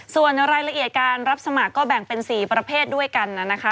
ส่วนรายละเอียดการรับสมัครก็แบ่งเป็น๔ประเภทด้วยกันนะคะ